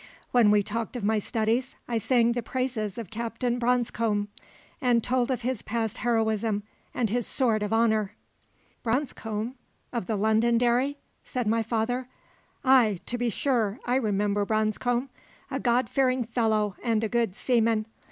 When we talked of my studies I sang the praises of Captain Branscome, and told of his past heroism and his sword of honour. "Branscome? Branscome, of the Londonderry?" said my father. "Ay, to be sure, I remember Branscome a Godfearing fellow and a good seaman.